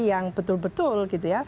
yang betul betul gitu ya